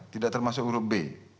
tidak termasuk huruf b